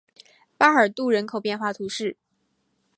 巴尔杜人口变化图示